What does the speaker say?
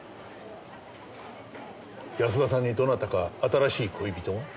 安田さんにどなたか新しい恋人が？